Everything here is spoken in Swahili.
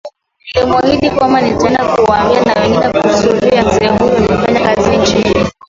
Nilimuahidi kwamba nitaendelea kuwaambia na wengine kuhusu historia hii Mzee huyu amefanya kazi chini